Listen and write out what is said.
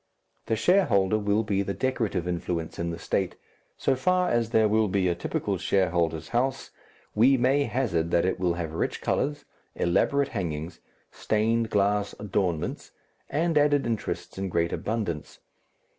The shareholder will be the decorative influence in the State. So far as there will be a typical shareholder's house, we may hazard that it will have rich colours, elaborate hangings, stained glass adornments, and added interests in great abundance.